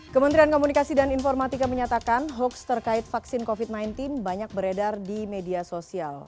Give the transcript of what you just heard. kementerian komunikasi dan informatika menyatakan hoax terkait vaksin covid sembilan belas banyak beredar di media sosial